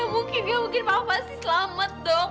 mungkin ya mungkin papa sih selamat dok